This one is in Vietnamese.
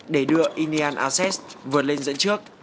để đưa indian assets vượt lên dẫn trước